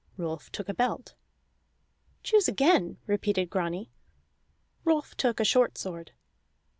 Rolf took a belt. "Choose again," repeated Grani. Rolf took a short sword.